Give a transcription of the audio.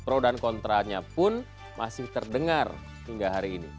pro dan kontranya pun masih terdengar hingga hari ini